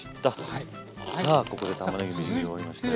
さあここでたまねぎのみじん切り終わりましたよ。